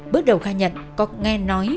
bước đầu khai nhận có nghe nói